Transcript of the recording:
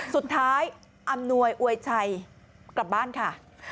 สุดท้ายอำนวยอวยชัยกลับบ้านค่ะ